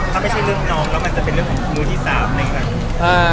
ถ้าไม่ใช่เรื่องน้องแล้วมันจะเป็นเรื่องมือที่๓ไหมคะ